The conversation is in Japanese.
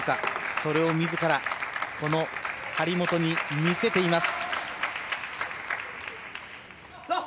それを自ら張本に見せています。